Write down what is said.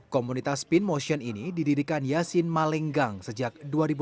komunitas spin motion ini didirikan yasin malenggang sejak dua ribu enam belas